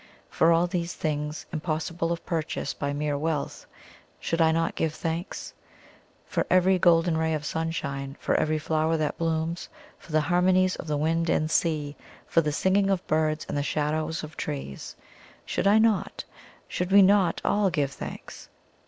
For all these things, impossible of purchase by mere wealth, should I not give thanks? For every golden ray of sunshine, for every flower that blooms, for the harmonies of the wind and sea, for the singing of birds and the shadows of trees, should I not should we not all give thanks?